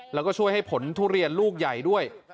แล้วก็ช่วยให้ผลทุเรียนลูกใหญ่ด้วย